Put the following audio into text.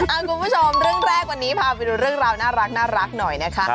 คุณผู้ชมเรื่องแรกวันนี้พาไปดูเรื่องราวน่ารักหน่อยนะคะ